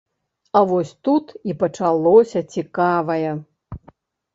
А вось тут і пачалося цікавае.